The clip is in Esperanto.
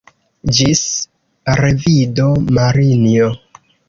Ĝis revido, Marinjo.